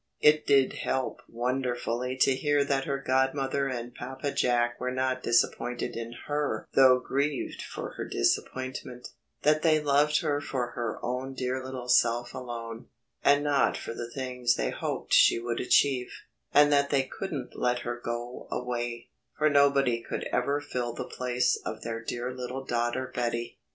It did help wonderfully to hear that her godmother and Papa Jack were not disappointed in her though grieved for her disappointment; that they loved her for her own dear little self alone, and not for the things they hoped she would achieve, and that they couldn't let her go away, for nobody could ever fill the place of their dear little daughter Betty.